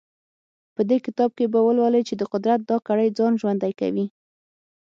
په دې کتاب کې به ولولئ چې د قدرت دا کړۍ ځان ژوندی کوي.